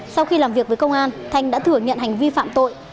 sau khi làm việc với công an thanh đã thử nghiệm hành vi phạm tội